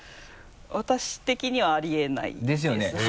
私的にはあり得ないですね。ですよね？